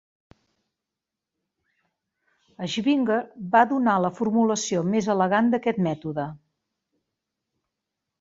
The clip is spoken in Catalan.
Schwinger va donar la formulació més elegant d'aquest mètode.